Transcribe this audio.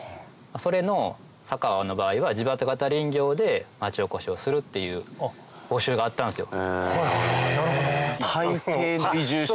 それの佐川の場合は自伐型林業で町おこしをするっていう募集があったんですよ。